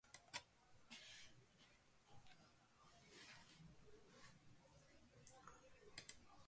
Guk askatu beharko genuke?